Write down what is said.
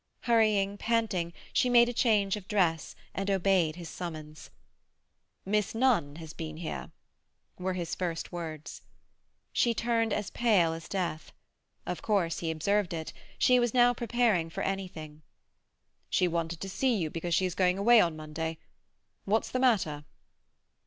Hurrying, panting, she made a change of dress, and obeyed his summons. "Miss Nunn has been here," were his first words. She turned pale as death. Of course he observed it; she was now preparing for anything. "She wanted to see you because she is going away on Monday. What's the matter?"